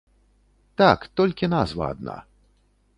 Так, толькі назва адна.